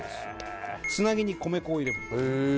つなぎに米粉を入れますえ